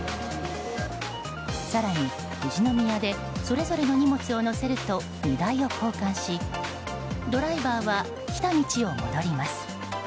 更に、富士宮でそれぞれの荷物を載せると荷台を交換しドライバーは来た道を戻ります。